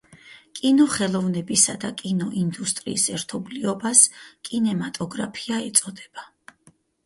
კინოხელოვნებისა და კინოინდუსტრიის ერთობლიობას კინემატოგრაფია ეწოდება.